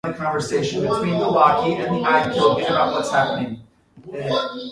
They fire the Romulan's disruptor to attract the attention of the attendees.